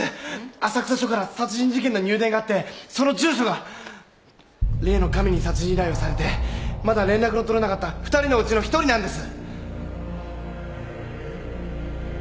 浅草署から殺人事件の入電があってその住所が例の神に殺人依頼をされてまだ連絡の取れなかった２人のうちの１人なんです。